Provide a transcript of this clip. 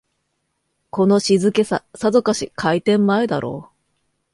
この静けさ、さぞかし開店前だろう